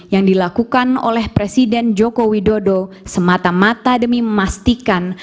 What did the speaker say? yang dilakukan oleh presiden joko widodo semata mata demi memastikan